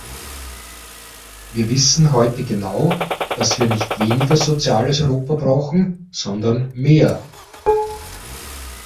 Wir wissen heute genau, dass wir nicht weniger soziales Europa brauchen, sondern mehr.